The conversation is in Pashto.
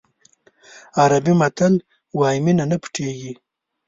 عربي متل وایي مینه نه پټېږي.